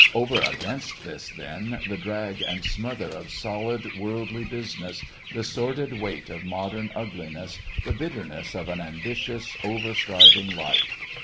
Over against this, then, the drag and smother of solid worldly business, the sordid weight of modern ugliness, the bitterness of an ambitious, over striving life.